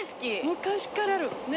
昔からある。